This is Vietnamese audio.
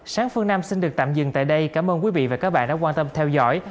sáng phương nam xin được tạm dừng tại đây cảm ơn quý vị và các bạn đã quan tâm theo dõi